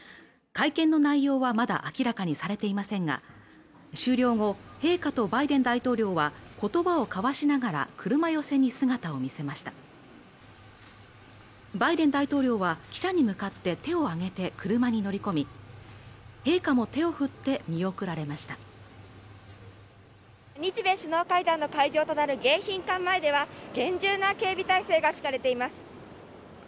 会見の内容はまだ明らかにされていませんが終了後陛下とバイデン大統領は言葉を交わしながら車寄せに姿を見せましたバイデン大統領は記者に向かって手を上げて車に乗り込み陛下も手を振って見送られました日米首脳会談の会場となる迎賓館前では厳重な警備態勢が敷かれています